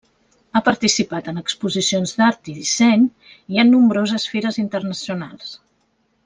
Ha participat en exposicions d'art i disseny i en nombroses fires internacionals.